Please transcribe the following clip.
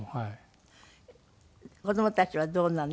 子どもたちはどうなの？